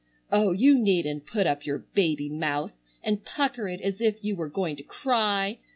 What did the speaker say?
Oh, you needn't put up your baby mouth and pucker it as if you were going to cry.